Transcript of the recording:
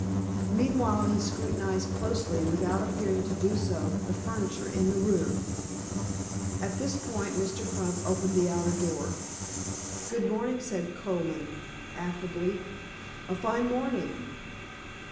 Meanwhile he scrutinized closely, without appearing to do so, the furniture in the room. At this point Mr. Crump opened the outer door. "Good morning," said Colman, affably. "A fine morning."